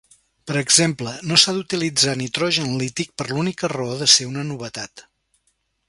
Per exemple, no s'ha d'utilitzar nitrogen líquid per l'única raó de ser una novetat.